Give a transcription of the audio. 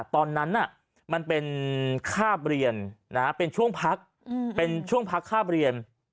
ตอนนั้นมันเป็นคาบเรียนเป็นช่วงพักเป็นช่วงพักคาบเรียน